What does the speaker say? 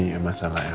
ini masalah elsa